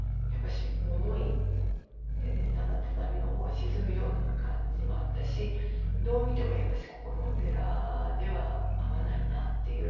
だんだん畳の方が沈むような感じもあったしどう見てもやっぱしここのお寺では合わないなっていうものがあって。